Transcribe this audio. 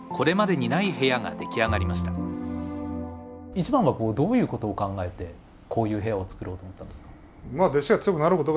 一番はどういうことを考えてこういう部屋を作ろうと思ったんですか？